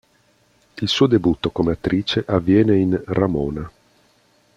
Il suo debutto come attrice avviene in "Ramona".